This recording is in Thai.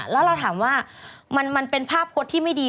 แล้วเราถามว่ามันเป็นภาพพจน์ที่ไม่ดี